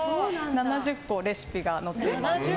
７０個レシピが載っています。